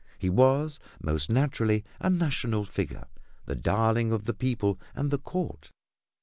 He was, most naturally, a national figure, the darling of the people and the court.